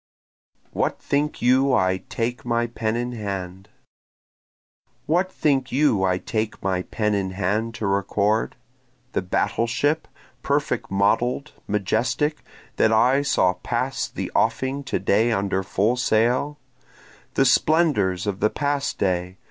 What Think You I Take My Pen in Hand? What think you I take my pen in hand to record? The battle ship, perfect model'd, majestic, that I saw pass the offing to day under full sail? The splendors of the past day?